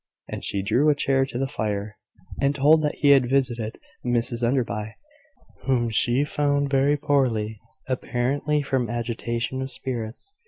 And he drew a chair to the fire, and told that he had visited Mrs Enderby, whom he found very poorly, apparently from agitation of spirits.